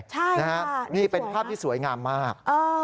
ใช่ค่ะนี่สวยครับนี่เป็นภาพที่สวยงามมาก